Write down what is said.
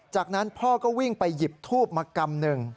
จากนั้นพ่อก็วิ่งไปหยิบทูบมากำหนึ่ง